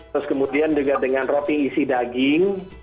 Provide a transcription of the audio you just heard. terus kemudian juga dengan roti isi daging